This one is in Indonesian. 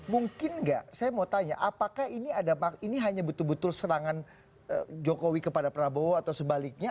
mungkin nggak saya mau tanya apakah ini ada ini hanya betul betul serangan jokowi kepada prabowo atau sebaliknya